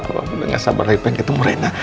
papa udah gak sabar lagi pengen ketemu rena